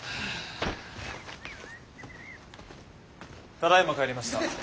ただいま帰りました。